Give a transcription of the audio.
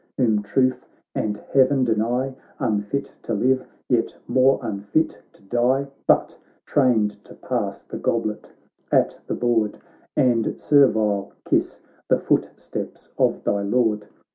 whom truth and heaven deny. Unfit to live, yet more unfit to die : But, trained to pass the goblet at the board And servile kiss the footsteps of thy lord.